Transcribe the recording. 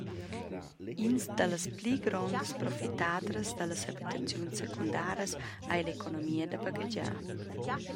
Ins dallas pli grondas profitadras dallas habitaziuns secundaras ei l’economia da baghegiar.